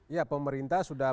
iya pemerintah sudah